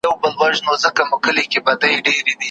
د میني خپرول د کرکي د خپرولو په پرتله ډېره زیاته ګټه لري.